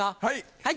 はい。